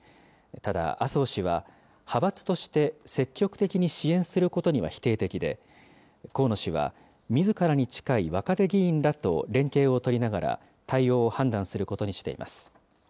ただ、麻生氏は派閥として、積極的に支援することには否定的で、河野氏は、みずからに近い若手議員らと連携を取りながら、対応を判断することにしています。